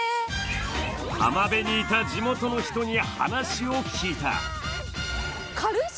浜辺にいた地元の人に話を聞いた。